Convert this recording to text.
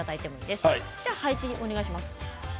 ではお願いします。